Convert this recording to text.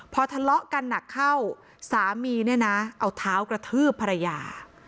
พอทะเลาะกันหนักเข้าสามีเนี่ยนะเอาเท้ากระทืบภรรยา